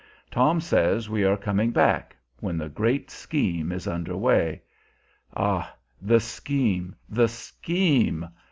Tom says we are coming back when the great scheme is under way. Ah, the scheme, the scheme!